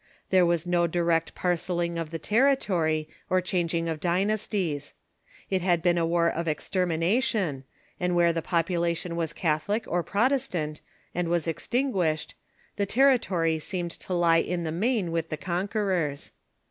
There was no direct parcelling of the territory or changing of dynasties. It had been a war of extermination, and where the pop "tlfe'wap*' Illation was Catholic or Protestant, and was extin guished, the territory seemed to lie in the main Avith the conquerors.